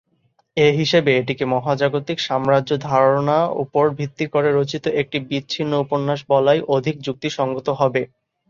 এ হিসেবে এটিকে মহাজাগতিক সাম্রাজ্য ধারণা উপর ভিত্তি করে রচিত একটি বিচ্ছিন্ন উপন্যাস বলাই অধিক যুক্তিসঙ্গত হবে।